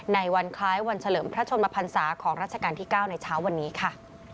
ในวันคล้ายวันเฉลิมพระชนมพันศาของรัชกาลที่๙ในเช้าวันนี้ค่ะ